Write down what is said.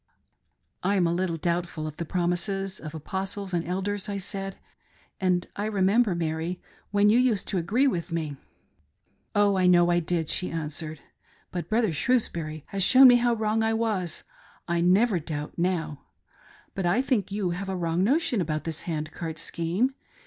" I am a little doubtful of the promises of Apostles and Elders," I said, " and I remember, Mary, when you used to agree with me." " I know I did," she answered, " but Brother Shrewsbury has shown me how wrong I was — I never doubt now. But I think you have a wrong notion about this hand cart scheme.